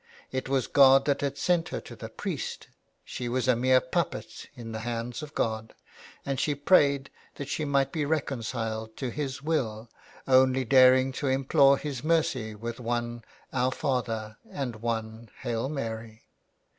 It was God that had sent her to the priest ; she was a mere puppet in the hands of God, and she prayed that she might be reconciled to His will, only daring to implore His mercy with one "Our Father" and one "Hail Mary."